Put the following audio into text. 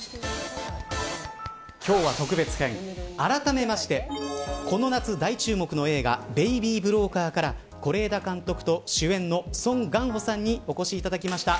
今日は、特別編あらためましてこの夏、大注目の映画ベイビー・ブローカーから是枝監督と主演のソン・ガンホさんにお越しいただきました。